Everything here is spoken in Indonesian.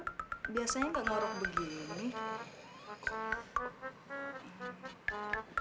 ih gak biasa banget para adik tidur di kantor